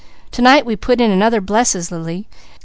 To night we put in another blesses, Lily.